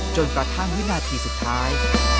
จนกระทั่งวินาทีสุดท้าย